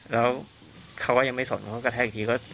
แล้วเขาก็ยังไม่สนเขากระแทกอีกที